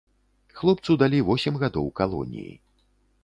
Хлопцу далі восем гадоў калоніі.